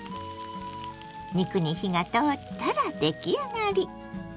肉に火が通ったら出来上がり。